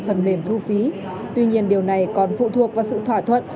phần mềm thu phí tuy nhiên điều này còn phụ thuộc vào sự thỏa thuận